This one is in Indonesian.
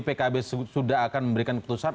pkb sudah akan memberikan keputusan